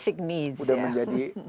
itu sudah menjadi basic needs